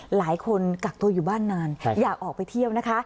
หลายคนกักตัวอยู่บ้านนานอยากออกไปเที่ยวนะคะ